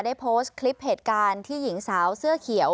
ได้โพสต์คลิปเหตุการณ์ที่หญิงสาวเสื้อเขียว